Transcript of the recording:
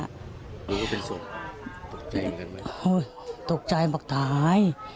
รู้ว่าเป็นศพตกใจเหมือนกันไหมโอ้ยตกใจมากตาย